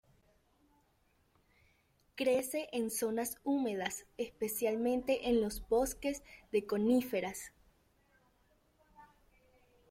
Crece en zonas húmedas, especialmente en los bosques de coníferas.